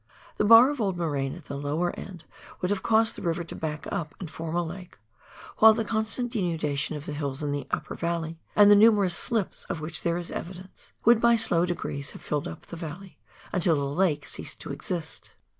The bar of old moraine at the lower end would have caused the river to back up, and form a lake ; while the con stant denudation of the hills in the upper valley, and the numerous slips of which there is evidence, would by slow degrees have filled up the valley, until the lake ceased to exist.